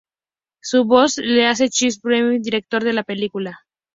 Su voz la hace Chris Wedge, director de la película.